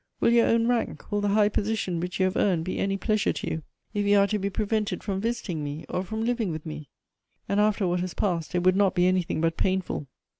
Will your own rank, will the high position which you have earned, be any pleasure to you, if you are to be prevented from visiting me, or from liv ing with me ? And after what has passed, it would not be anything but painful.